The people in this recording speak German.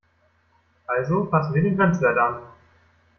Also passen wir den Grenzwert an.